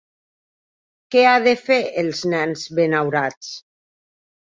Què ha de fer els nens Benaurats?